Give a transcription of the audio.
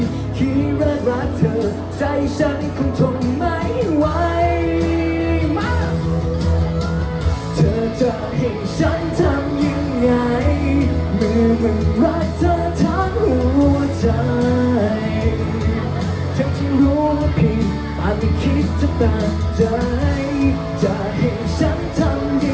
เธอถึงรู้ว่าผิดอานิคิดจังต่างใจจะให้ฉันทำยังไงเมื่อสมองมันมิงสลางในหัวใจ